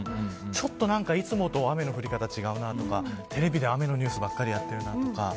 ちょっと、いつもと雨の降り方違うなとかテレビで雨のニュースばっかりやってるなとか。